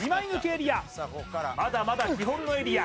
まだまだ基本のエリア